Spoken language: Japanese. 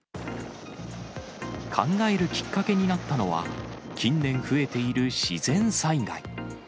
考えるきっかけになったのは、近年増えている自然災害。